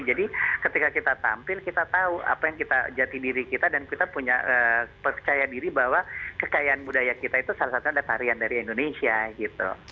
jadi ketika kita tampil kita tahu apa yang kita jati diri kita dan kita punya percaya diri bahwa kekayaan budaya kita itu salah satunya ada tarian dari indonesia gitu